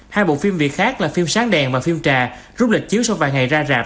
hai bộ phim việt khác là phim sáng đèn và phim trà rút lịch chiếu sau vài ngày ra rạp